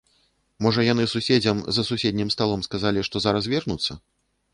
Можа яны суседзям за суседнім сталом сказалі, што зараз вернуцца?